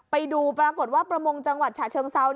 ไปดูปรากฏว่าประมงจังหวัดฉะเชิงเซา